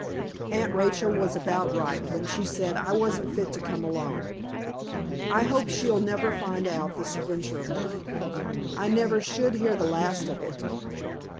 Aunt Rachel was about right when she said I wasn't fit to come alone. I hope she'll never find out this adventure of mine; I never should hear the last of it."